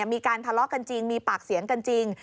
มีการทะเลาะกันจริงมีปากเสียงกันจริง